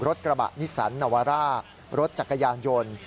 กระบะนิสันนาวาร่ารถจักรยานยนต์